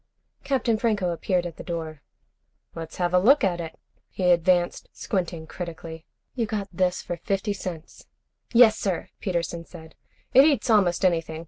Captain Franco appeared at the door. "Let's have a look at it." He advanced, squinting critically. "You got this for fifty cents?" "Yes, sir," Peterson said. "It eats almost anything.